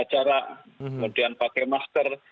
kemudian pakai masker